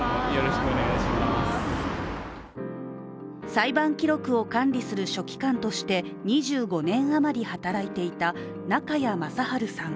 裁判記録を管理する書記官として２５年余り働いていた中矢正晴さん。